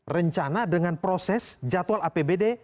rencana dengan proses jadwal apbd